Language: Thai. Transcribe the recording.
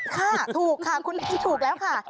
ค่ะถูกค่ะคุณถูกแล้วค่ะ